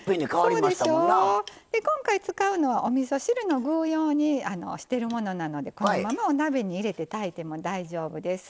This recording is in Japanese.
今回使うのはおみそ汁の具用にしてるものなのでこのままお鍋に入れて炊いても大丈夫です。